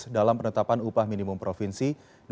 dalam penetapan upah minimum provinsi dua ribu dua puluh satu